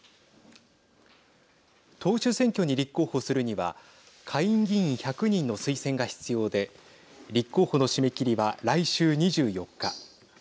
党首選挙に立候補するには下院議員１００人の推薦が必要で立候補の締め切りは来週２４日。